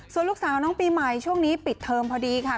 ส่วนลูกสาวน้องปีใหม่ช่วงนี้ปิดเทิมพอดีค่ะ